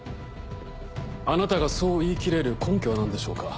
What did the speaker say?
あなたがそう言い切れる根拠は何でしょうか？